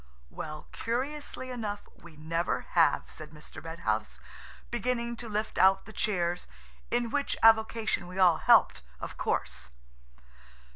"Well, curiously enough, we never have," said Mr. Red House, beginning to lift out the chairs, in which avocation we all helped, of course.